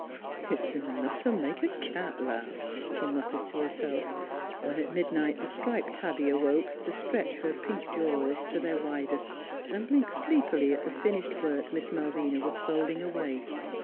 " It's enough t' make a cat laugh," she mut tered to herself, when at midnight the striped tabby awoke to stretch her pink jaws to their widest and blink sleepily at the finished work Miss Malvina was folding away.